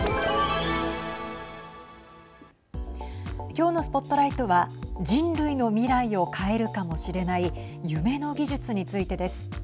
きょうのＳＰＯＴＬＩＧＨＴは人類の未来を変えるかもしれない夢の技術についてです。